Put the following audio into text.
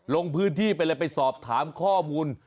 ลงพื้นที่ไปเลยไปสอบถามข้อมูล